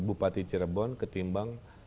bupati cirebon ketimbang